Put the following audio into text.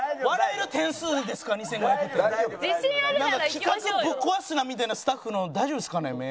企画ぶっ壊すなみたいなスタッフの大丈夫ですかね？